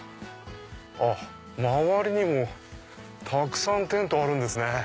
周りにもたくさんテントあるんですね。